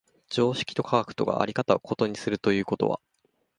常識と科学とが在り方を異にするということは、